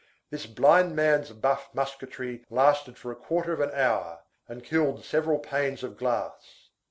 This blind man's buff musketry lasted for a quarter of an hour and killed several panes of glass.